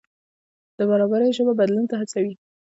د برابرۍ ژبه بدلون ته هڅوي.